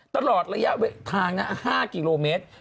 ตลอดระยะทาง๕กิโลเมตร